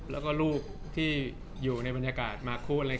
แล้วก็รูปที่อยู่ในบรรยากาศมาคุอะไร